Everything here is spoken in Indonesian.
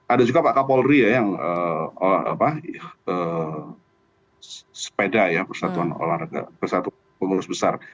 ada juga pak kapolri ya yang sepeda ya persatuan olahraga persatuan pengurus besar